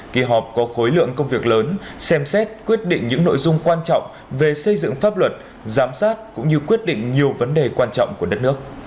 kỳ họp có khối lượng công việc lớn xem xét quyết định những nội dung quan trọng về xây dựng pháp luật giám sát cũng như quyết định nhiều vấn đề quan trọng của đất nước